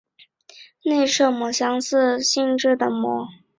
内射模相似性质的模。